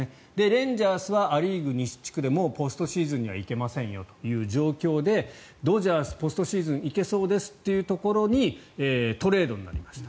レンジャーズはア・リーグ西地区でもうポストシーズンには行けませんよという状況でドジャース、ポストシーズン行けそうですというところにトレードになりました。